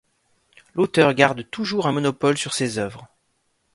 L'auteur garde toujours un monopole sur ses œuvres.